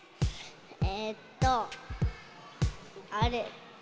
えっとあれ。